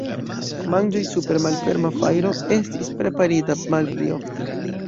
Manĝoj super malferma fajro estis preparita malpli ofte.